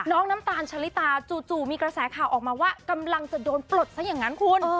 น้ำตาลชะลิตาจู่มีกระแสข่าวออกมาว่ากำลังจะโดนปลดซะอย่างนั้นคุณ